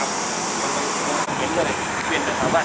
โรงพยาบาลโรงพยาบาล